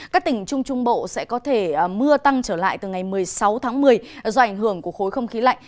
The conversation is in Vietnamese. các tỉnh trung trung bộ sẽ có thể mưa tăng trở lại từ ngày một mươi sáu tháng một mươi do ảnh hưởng của khối không khí lạnh